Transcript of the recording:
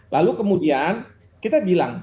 lalu kemudian kita bilang